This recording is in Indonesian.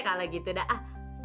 kalau gitu dah